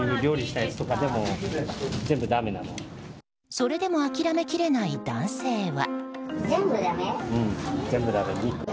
それでも諦めきれない男性は。